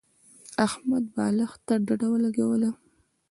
احمد بالښت ته ډډه ولګوله.